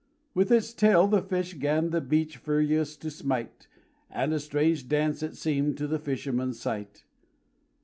With its tail the fish 'gan the bench furious to smite, And a strange dance it seemed to the fisherman's sight.